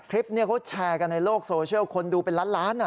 คลิปนี้เขาแชร์กันในโลกโซเชียลคนดูเป็นล้านล้าน